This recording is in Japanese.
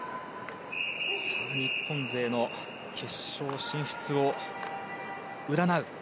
日本勢の決勝進出を占う